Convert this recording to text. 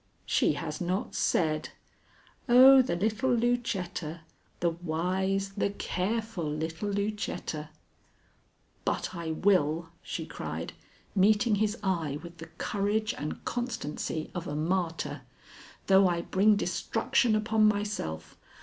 "She has not said. Oh, the little Lucetta, the wise, the careful little Lucetta!" "But I will," she cried, meeting his eye with the courage and constancy of a martyr, "though I bring destruction upon myself.